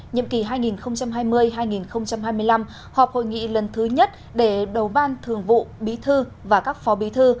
nhiệm kỳ hai nghìn hai mươi hai nghìn hai mươi năm họp hội nghị lần thứ nhất để đầu ban thường vụ bí thư và các phó bí thư